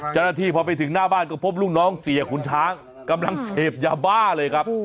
เจ้าหน้าที่พอไปถึงหน้าบ้านก็พบลูกน้องเสียขุนช้างกำลังเสพยาบ้าเลยครับ